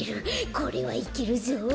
これはいけるぞ！